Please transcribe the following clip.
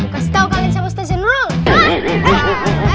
kasih tau kalian siapa stesen rule